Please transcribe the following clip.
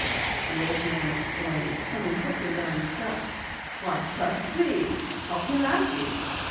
the old man exclaimed, coming quickly down the steps. "Why bless me! How can that be?"